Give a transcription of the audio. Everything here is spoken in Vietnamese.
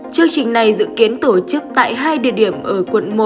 chương trình này dự kiến tổ chức tại hai địa điểm ở quận một